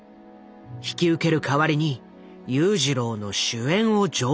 引き受ける代わりに裕次郎の主演を条件にする。